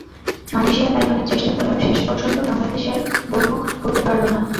Malaysia তাই অনেক চেষ্টা করেও শেষ পর্যন্ত বাংলাদেশের গোলমুখ খুলতে পারল না।